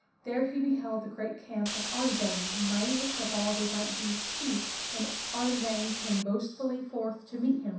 There he beheld the great camp of Ar' zang, mightiest of all the White Deev*s chiefs, and Arzang came boastfully forth to meet him.